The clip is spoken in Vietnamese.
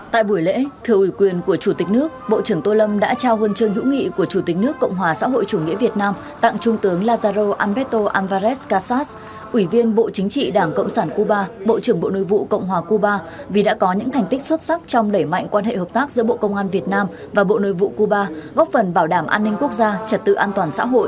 tại buổi lễ theo ủy quyền của chủ tịch nước bộ trưởng tôn lâm đã trao huân chương hữu nghị của chủ tịch nước cộng hòa xã hội chủ nghĩa việt nam tặng trung tướng lazaro alberto álvarez casas ủy viên bộ chính trị đảng cộng sản cuba bộ trưởng bộ nội vụ cộng hòa cuba vì đã có những thành tích xuất sắc trong đẩy mạnh quan hệ hợp tác giữa bộ công an việt nam và bộ nội vụ cuba góp phần bảo đảm an ninh quốc gia trật tự an toàn xã hội